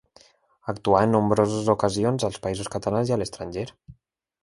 Actuà en nombroses ocasions als Països Catalans i a l'estranger.